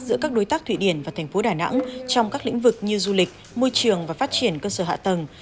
giữa các đối tác thụy điển và thành phố đà nẵng trong các lĩnh vực như du lịch môi trường và phát triển cơ sở hạ tầng